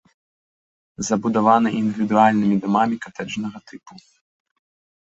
Забудавана індывідуальнымі дамамі катэджнага тыпу.